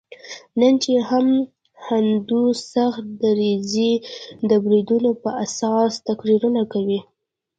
نن چې هم هندو سخت دریځي د بریدونو په اساس تقریرونه کوي.